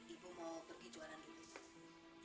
ibu mau pergi jualan dulu